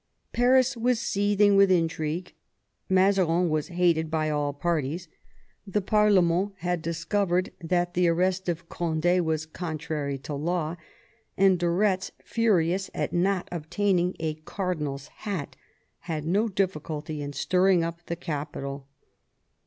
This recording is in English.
Paris was seething with intrigue, Mazarin was hated by all parties, the pa/rlement had discovered that the arrest of Cond^ was contrary to law, and de Ketz, furious at not obtaining a cardinal's hat, had no difficulty in stirring up the capital.